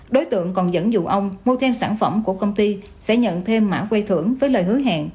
đối tượng còn dẫn dụ ông mua thêm sản phẩm của công ty sẽ nhận thêm mã quây thưởng với lời hứa hẹn